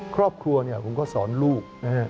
ครอบครัวผมก็สอนลูก